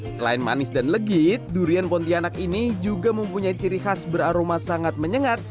selain manis dan legit durian pontianak ini juga mempunyai ciri khas beraroma sangat menyengat